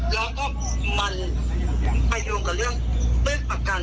แล้วก็มันไปรวมกับเรื่องเบื้องปรับกัน